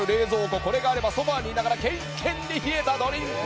これがあればソファにいながらキンキンに冷えたドリンクが。